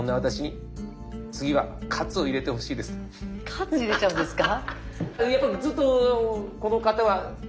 喝入れちゃうんですか？